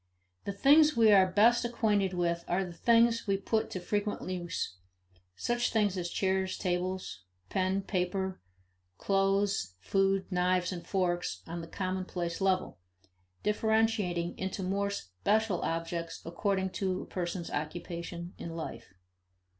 The things we are best acquainted with are the things we put to frequent use such things as chairs, tables, pen, paper, clothes, food, knives and forks on the commonplace level, differentiating into more special objects according to a person's occupations in life.